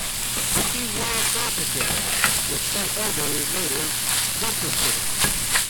Fifty were air-conditioned, with some others later retrofitted.